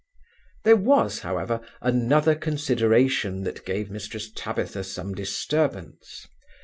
There was, however, another consideration that gave Mrs Tabitha some disturbance.